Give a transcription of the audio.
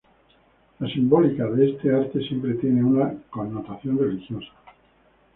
La simbólica de este arte siempre tiene una connotación religiosa.